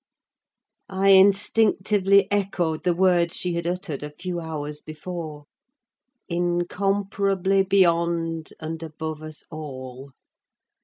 I instinctively echoed the words she had uttered a few hours before: "Incomparably beyond and above us all!